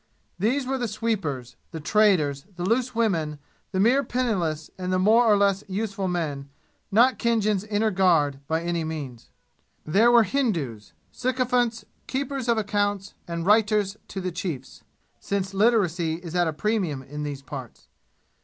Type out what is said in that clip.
These were the sweepers, the traders, the loose women, the mere penniless and the more or less useful men not Khinjan's inner guard by any means. There were Hindus sycophants, keepers of accounts and writers to the chiefs (since literacy is at premium in these parts).